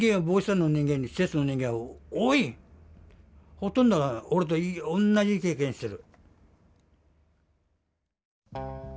ほとんどが俺とおんなじ経験してる。